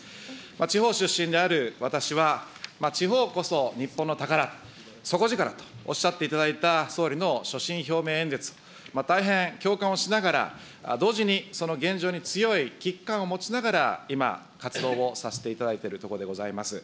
地方出身である私は、地方こそ日本の宝、底力とおっしゃっていただいた総理の所信表明演説、大変共感をしながら、同時にその現状に強い危機感を持ちながら、今、活動をさせていただいているところでございます。